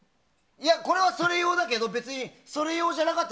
これはそれ用だけどそれ用じゃなかった。